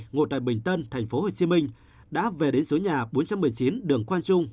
ngụ tại bình tân tp hcm đã về đến số nhà bốn trăm một mươi chín đường quang trung